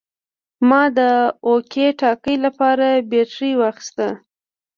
ما د واکي ټاکي لپاره بیټرۍ واخیستې